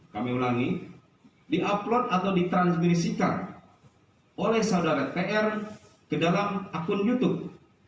yang kemudian di upload atau di transmisikan oleh saudara tr ke dalam akun youtube